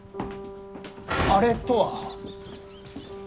「あれ」とは？